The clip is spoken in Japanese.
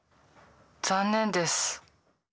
残念です。